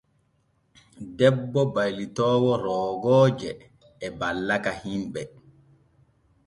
Debbo baylitoowo roogooje e ballaka himɓe.